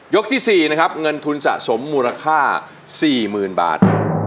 ที่๔นะครับเงินทุนสะสมมูลค่า๔๐๐๐บาท